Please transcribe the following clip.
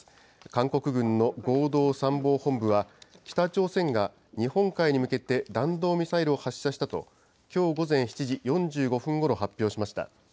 韓国軍の合同参謀本部は、北朝鮮が日本海に向けて弾道ミサイルを発射したと、きょう午前７時４５分ごろ、発表しました。